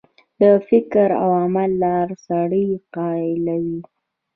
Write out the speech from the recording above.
د فکر او عمل لار سړی قایلوي.